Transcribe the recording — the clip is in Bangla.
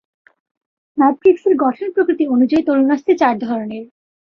ম্যাট্রিক্সের গঠন-প্রকৃতি অনুযায়ী তরুণাস্থি চার ধরনের।